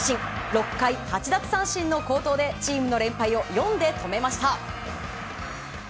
６回８奪三振の好投でチームの連敗を４で止めました。